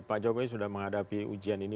pak jokowi sudah menghadapi ujian ini